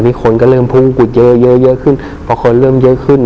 นี่คนก็เริ่มพุ่งขุดเยอะเยอะขึ้นพอคนเริ่มเยอะขึ้น